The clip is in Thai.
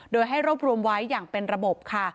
โดยให้รวบรวมไว้อย่างเป็นระบบค่ะ